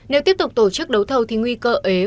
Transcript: nếu tiếp tục đấu thầu thì nguy cơ ế ẩm